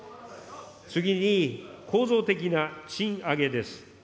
次に、構造的な賃上げです。